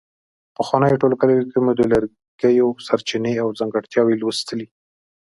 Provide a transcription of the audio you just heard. په پخوانیو ټولګیو کې مو د لرګیو سرچینې او ځانګړتیاوې لوستلې.